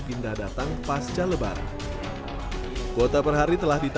pindah datang pasca lebaran kuota perhari telah ditutup